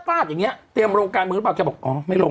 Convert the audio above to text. สอย่างเงี้ยเตรียมโรงการมึงหรือเปล่าเขาบอกอ๋อไม่ลง